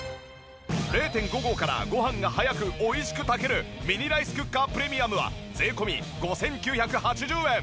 ０．５合からごはんが早く美味しく炊けるミニライスクッカープレミアムは税込５９８０円。